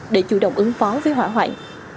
để chủ động ứng phó với hỏa hoại